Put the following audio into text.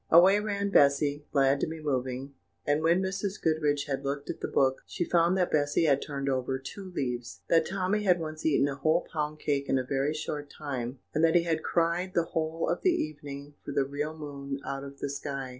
Away ran Bessy, glad to be moving; and when Mrs. Goodriche had looked at the book, she found that Bessy had turned over two leaves, that Tommy had once eaten a whole pound cake in a very short time, and that he had cried the whole of the evening for the real moon out of the sky.